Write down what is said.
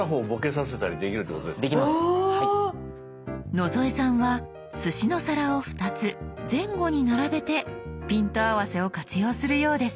野添さんはすしの皿を２つ前後に並べてピント合わせを活用するようです。